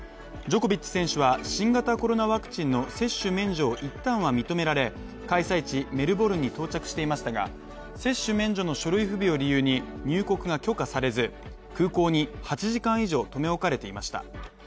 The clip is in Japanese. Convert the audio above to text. ジョコビッチ選手は、新型コロナワクチンの接種免除を一旦は認められ、開催地メルボルンに到着していましたが、接種免除の書類不備を理由に入国が許可されず空港に８時間以上留め置かれていました。